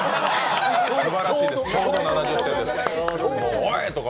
すばらしいです、ちょうど７０点です。